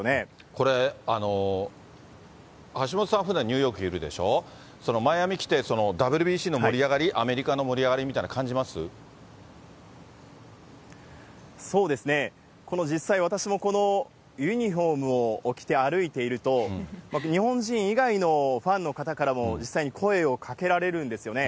これ、橋本さん、ふだんニューヨークいるでしょ、マイアミ来てＷＢＣの盛り上がり、アメリカの盛り上がりみたいの感そうですね、実際、私もこのユニホームを着て歩いていると、日本人以外のファンの方からも実際に声をかけられるんですよね。